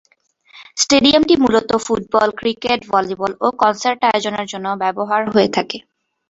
স্টেডিয়ামটি মূলত football, cricket, volleyball ও concert আয়োজনের জন্য ব্যবহার হয়ে থাকে।